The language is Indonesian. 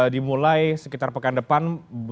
dimulai sekitar pekan depan